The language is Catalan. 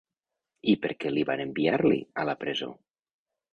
I per què li van enviar-li, a la presó?